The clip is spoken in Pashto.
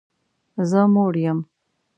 زه موړ یم